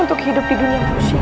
untuk hidup di dunia